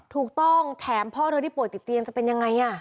ถูกต้องแถมพ่อเธอที่ป่วยติดเตียงจะเป็นยังไง